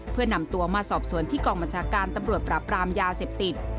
เพื่อนำตัวมาสอบสวนที่กองบัญชาการตำรวจปราบรามยาเสพติด